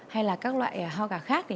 hay là các loại hoa quả khác